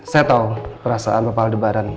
saya tahu perasaan bapak aldebaran